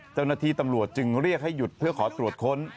เจ้าหน้าที่ตำรวจจึงเรียกให้หยุดเพื่อขอตรวจค้น